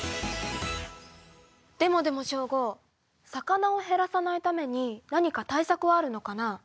でもでもショーゴ魚を減らさないために何か対さくはあるのかな？